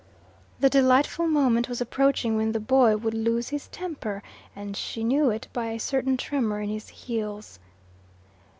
The delightful moment was approaching when the boy would lose his temper: she knew it by a certain tremor in his heels.